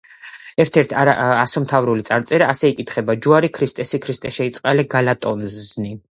ერთ-ერთი ასომთავრული წარწერა: ასე იკითხება „ჯუარი ქრისტესი ქრისტე შეიწყალე გალატოზნი“.